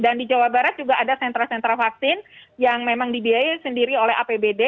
dan di jawa barat juga ada sentra sentra vaksin yang memang dibiayai sendiri oleh apbd